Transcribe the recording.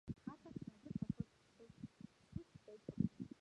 Хаалгач захирал болохыг хүсэхгүй ч байж болно.